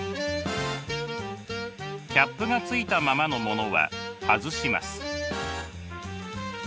キャップがついたままのものは外します。